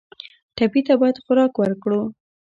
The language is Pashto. ټپي ته باید خوراک ورکړو.